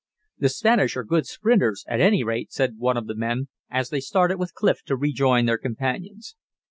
"The Spanish are good sprinters, at any rate," said one of the men, as they started with Clif to rejoin their companions.